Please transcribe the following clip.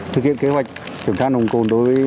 thực hiện kế hoạch kiểm tra nồng cồn đối với đất nước